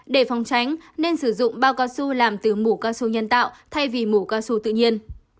để phòng tránh nên sử dụng bao cao su làm từ mũ cao su nhân tạo thay vì mũ cao su tự nhiên